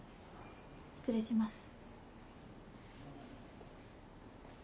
失礼します。